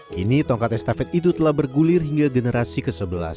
kini tongkat estafet itu telah bergulir hingga generasi ke sebelas